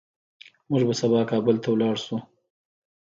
موږ به سبا کابل ته لاړ شو